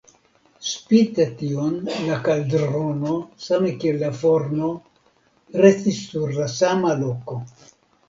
Spite tion la kaldrono, same kiel la forno, restis sur la sama loko.